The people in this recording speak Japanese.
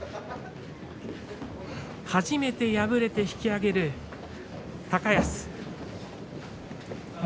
初めて敗れて引き揚げる高安。